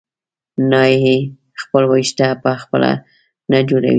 نایي خپل وېښته په خپله نه جوړوي.